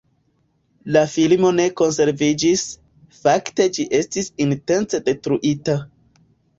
La filmo ne konserviĝis, fakte ĝi estis intence detruita.